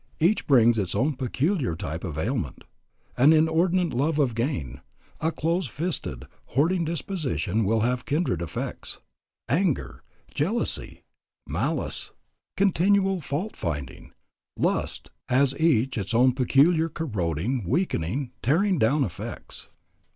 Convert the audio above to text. Each brings its own peculiar type of ailment. An inordinate love of gain, a close fisted, hoarding disposition will have kindred effects. Anger, jealousy, malice, continual fault finding, lust, has each its own peculiar corroding, weakening, tearing down effects.